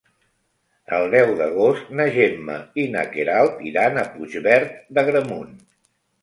El deu d'agost na Gemma i na Queralt iran a Puigverd d'Agramunt.